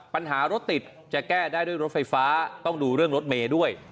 ปัญหารถติดจะแก้ได้ด้วยรถไฟฟ้าต้องดูเรื่องรถเมย์ด้วย